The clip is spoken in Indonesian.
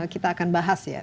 kita akan bahas ya